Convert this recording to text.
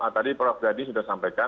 tadi prof jadi sudah sampaikan